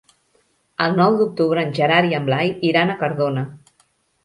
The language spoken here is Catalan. El nou d'octubre en Gerard i en Blai iran a Cardona.